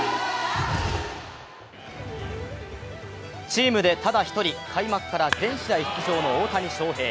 チームでただ１人、開幕から全試合出場の大谷翔平。